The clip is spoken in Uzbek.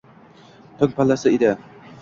Tong pallasi edi